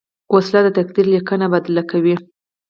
وسله د تقدیر لیکنه بدله کوي